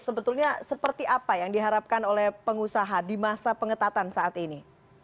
sebetulnya seperti apa yang diharapkan oleh pengusaha di masa pengetatan saat ini